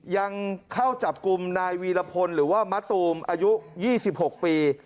ยังเข้าจับกลุ่มนายวีรพลหรือว่ามะตูมอายุ๒๖ปี